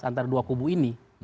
antara dua kubu ini